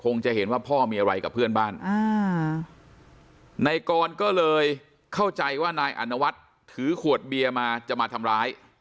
คงจะเห็นว่าพ่อมีอะไรกับเพื่อนบ้างคงจะลองเข้าใจว่านายอารณวัตน์ถือขวดเบียมาจะมาทำร้าย